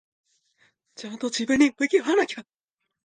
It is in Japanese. ちゃんと自分に向き合わなきゃ。